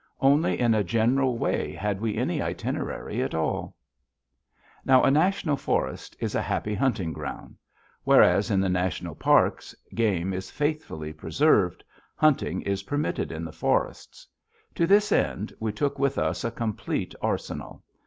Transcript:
Only in a general way had we any itinerary at all. Now a National Forest is a happy hunting ground. Whereas in the National Parks game is faithfully preserved, hunting is permitted in the forests. To this end, we took with us a complete arsenal.